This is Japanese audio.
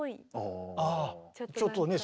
ちょっとね